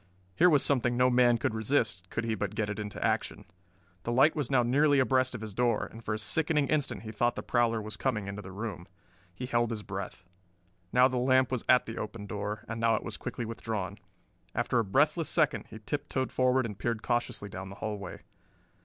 Here was something no man could resist could he but get it into action. The light was now nearly abreast of his door, and for a sickening instant he thought the prowler was coming into the room. He held his breath. Now the lamp was at the open door, and now it was quickly withdrawn. After a breathless second he tip toed forward and peered cautiously down the hallway.